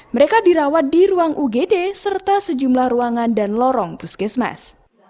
mereka dirawat di ruang ugd serta sejumlah ruangan dan lorong puskesmas